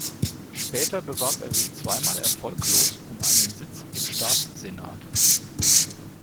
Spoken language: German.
Später bewarb er sich zweimal erfolglos um einen Sitz im Staatssenat.